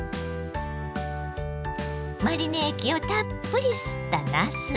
マリネ液をたっぷり吸ったなす。